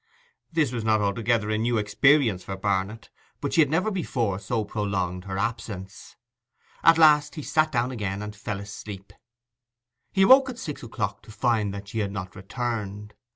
This was not altogether a new experience for Barnet; but she had never before so prolonged her absence. At last he sat down again and fell asleep. He awoke at six o'clock to find that she had not returned.